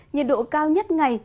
nhiệt độ cao nhất ngày